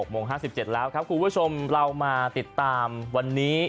โมง๕๗แล้วครับคุณผู้ชมเรามาติดตามวันนี้